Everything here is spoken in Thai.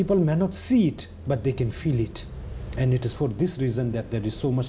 คนไม่มีความเห็นแต่มันก็จะรู้เพราะที่มีความรัก